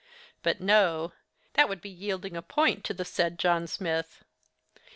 But no;—that would be yielding a point to the said John Smith.